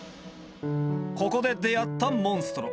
ここで出会ったモンストロ。